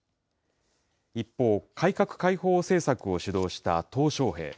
一方、改革開放政策を主導したトウ小平。